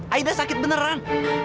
aida sakit beneran